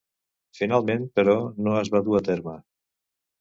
Finalment, però, no es va dur a terme.